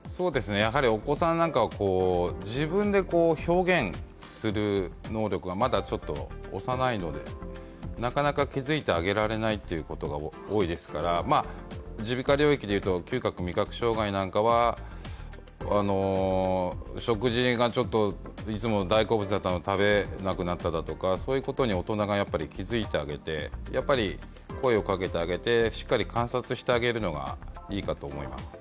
お子さんなんかは自分で表現する能力がまだちょっと幼いのでなかなか気づいてあげられないということが多いですから耳鼻科領域でいうと嗅覚・味覚障害なんかは食事がちょっといつも大好物だったのが食べなくなったとかそういうことに大人が気づいてあげて、声をかけてあげてしっかり観察してあげるのがいいかと思います。